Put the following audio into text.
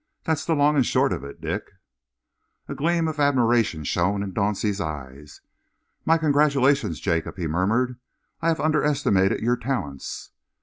That's the long and short of it, Dick." A gleam of admiration shone in Dauncey's eyes. "My congratulations, Jacob," he murmured. "I have underestimated your talents."